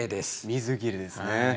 水切れですね。